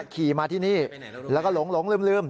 ขี่มาที่นี่แล้วก็หลงลืม